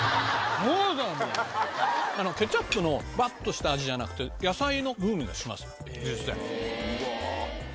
ケチャップのバッとした味じゃなくて野菜の風味がします。